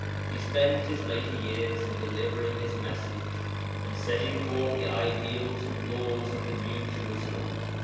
He spent his later years in delivering his message, and setting forth the ideals and laws of the New Jerusalem.